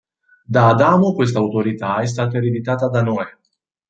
Da Adamo questa autorità è stata ereditata da Noè.